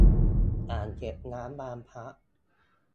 อ่างเก็บน้ำบางพระ.